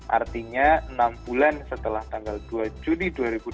artinya enam bulan setelah tanggal dua juni dua ribu dua puluh